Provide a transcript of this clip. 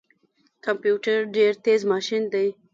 کمپيوټر ډیر تیز ماشین دی